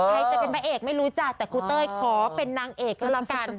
ใครจะเป็นพระเอกไม่รู้จักแต่ครูเต้ยขอเป็นนางเอกก็แล้วกัน